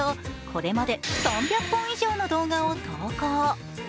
これまで３００本以上の動画を投稿。